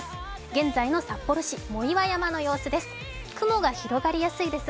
現在の札幌市、藻岩山の様子です。